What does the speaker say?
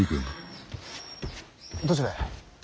どちらへ。